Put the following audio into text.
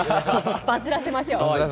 バズらせましょう！